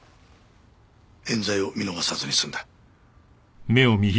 冤罪を見逃さずに済んだ。